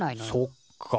そっか。